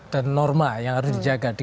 dan norma yang harus dijaga